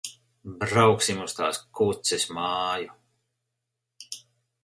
Brauksim uz tās kuces māju.